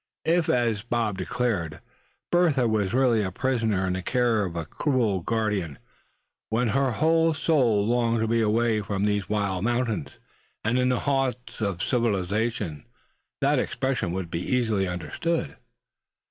If, as Bob declared, Bertha was really a prisoner in the care of a cruel guardian, when her whole soul longed to be away from these wild mountains, and in the haunts of civilization, that expression would be easily understood.